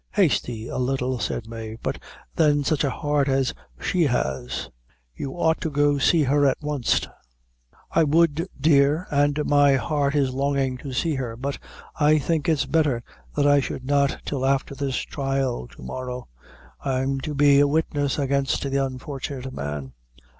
"Hasty a little," said Mave; "but then such a heart as she has. You ought to go see her at wanst." "I would, dear, an' my heart is longin' to see her; but I think it's betther that I should not till afther his thrial to morrow. I'm to be a witness against the unfortunate man."